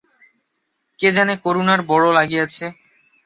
কে জানে, করুণার বড়ো লাগিয়াছে।